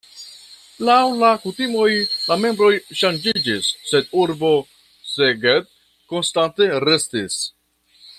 Laŭ la kutimoj la membroj ŝanĝiĝis, sed urbo Szeged konstante restis.